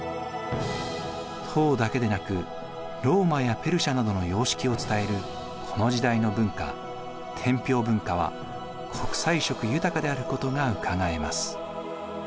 唐だけでなくローマやペルシャなどの様式を伝えるこの時代の文化天平文化は国際色豊かであることがうかがえます。